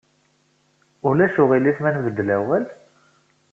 Ulac aɣilif ma nbeddel awal?